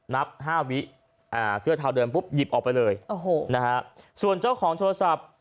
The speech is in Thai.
นับ๕วิเสื้อเทาเดิมปุ๊บหยิบออกไปเลยโอ้โหนะฮะส่วนเจ้าของโทรศัพท์